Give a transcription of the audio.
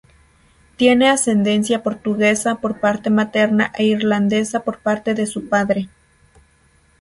Tiene ascendencia portuguesa por parte materna e irlandesa por parte de su padre.